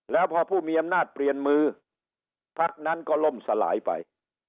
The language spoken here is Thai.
แล้วพอผู้มีอำนาจเปลี่ยนมือพักนั้นก็ล่มสลายไป